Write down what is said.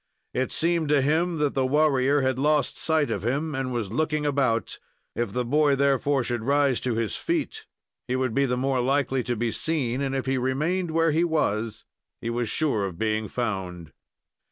It seemed to him that the warrior had lost sight of him, and was looking about. If the boy, therefore, should rise to his feet, he would be the more likely to be seen, and if he remained where he was he was sure of being found.